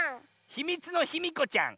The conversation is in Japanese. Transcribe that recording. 「ひみつのヒミコちゃん」。